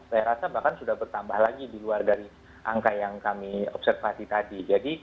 saya rasa bahkan sudah bertambah lagi di luar dari angka yang kami observasi tadi